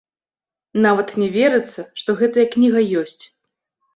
Нават не верыцца, што гэтая кніга ёсць.